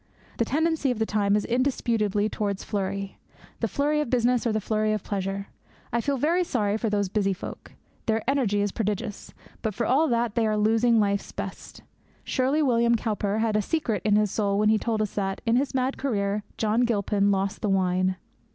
The tendency of the time is indisputably towards flurry the flurry of business or the flurry of pleasure. I feel very sorry for these busy folk. Their energy is prodigious. But, for all that, they are losing life's best. Surely William Cowper had a secret in his soul when he told us that, in his mad career, John Gilpin lost the wine!